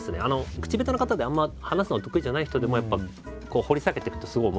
口下手な方であんま話すのが得意じゃない人でもやっぱ掘り下げていくとすごい面白い考え